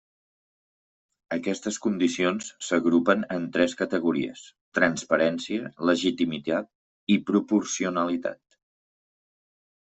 Aquestes condicions s'agrupen en tres categories: transparència, legitimitat i proporcionalitat.